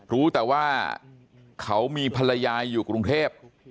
รู้แต่ว่าเขามีภรรยาอยู่กรุงเทพ